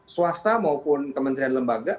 swasta maupun kementerian lembaga